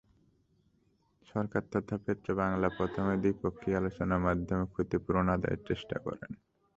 সরকার তথা পেট্রোবাংলা প্রথমে দ্বিপক্ষীয় আলোচনার মাধ্যমে ক্ষতিপূরণ আদায়ের চেষ্টা করে।